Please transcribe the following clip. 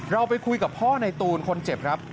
เราไปคุยกับพ่อในตูนคนเจ็บครับ